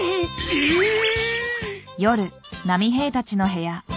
えっ！？